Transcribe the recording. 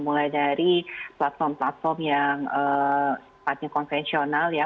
mulai dari platform platform yang konvensional ya